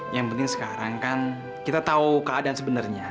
yang penting sekarang kan kita tahu keadaan sebenarnya